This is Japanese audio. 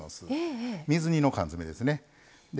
水煮の缶詰ですね。